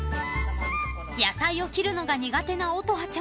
［野菜を切るのが苦手なおとはちゃん］